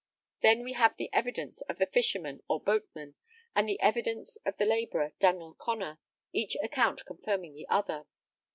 Then we have the evidence of the fisherman or boatman, and the evidence of the labourer, Daniel Connor, each account confirming the other.